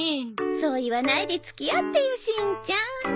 そう言わないで付き合ってよしんちゃん。